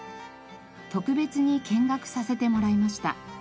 特別に見学させてもらいました。